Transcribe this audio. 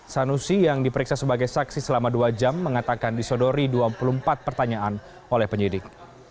sanusi yang diperiksa sebagai saksi selama dua jam mengatakan disodori dua puluh empat pertanyaan oleh penyidik